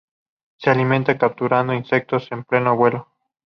Se alimenta capturando insectos en pleno vuelo.